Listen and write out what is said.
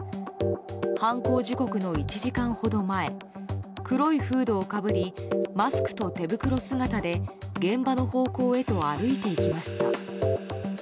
犯行時刻の１時間ほど前黒いフードをかぶりマスクと手袋姿で現場の高校へと歩いていきました。